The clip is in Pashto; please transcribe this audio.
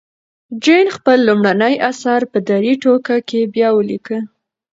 جین خپل لومړنی اثر په درې ټوکه کې بیا ولیکه.